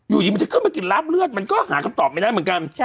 อยู่ดีมันจะขึ้นไปกินราบเลือดมันก็หาคำตอบไม่ได้เหมือนกัน